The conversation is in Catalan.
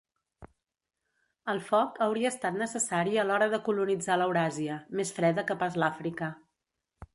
El foc hauria estat necessari a l'hora de colonitzar l'Euràsia, més freda que pas l'Àfrica.